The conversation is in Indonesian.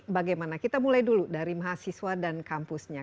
bagaimana kita mulai dulu dari mahasiswa dan kampusnya